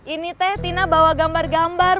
ini teh tina bawa gambar gambar